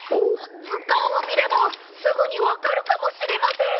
ずかんをみればすぐにわかるかもしれません！